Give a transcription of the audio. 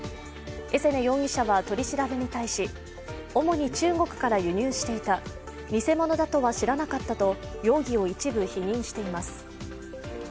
エセネ容疑者は取り調べに対し主に中国から輸入していた、偽物だとは知らなかったと容疑を一部否認しています。